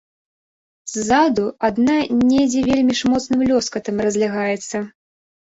Ззаду адна недзе вельмі ж моцным лёскатам разлягаецца.